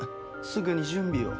すぐに準備を。